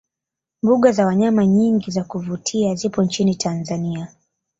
mbuga za wanyama nyingi za kuvutia zipo nchini tanzania